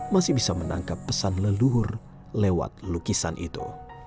masih bisa menangkap pesan leluhur lewat lukisan itu